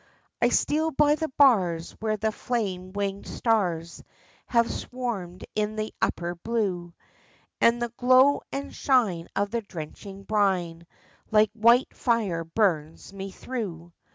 I steal by the bars when the flame winged stars Have swarmed in the upper blue And the glow and shine of the drenching brine Like white fire burns me through.